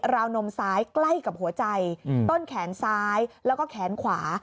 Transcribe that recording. วนมซ้ายใกล้กับหัวใจต้นแขนซ้ายแล้วก็แขนขวา